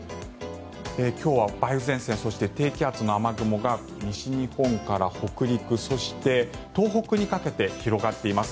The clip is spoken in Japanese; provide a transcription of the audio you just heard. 今日は梅雨前線そして低気圧の雨雲が西日本から北陸そして東北にかけて広がっています。